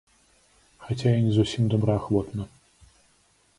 Хаця і не зусім добраахвотна.